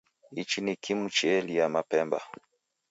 Ichi ni kimu chealia mapemba